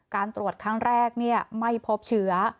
การตรวจครั้งแรกไม่พบเชื้อ